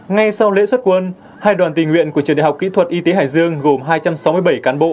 ngay sau lễ xuất quân hai đoàn tình nguyện của trường đại học kỹ thuật y tế hải dương gồm hai trăm sáu mươi bảy cán bộ